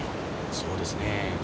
そうですね